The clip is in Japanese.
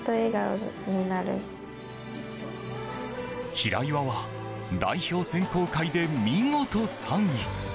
平岩は代表選考会で見事３位。